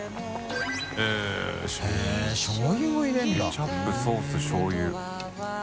ケチャップソースしょうゆ。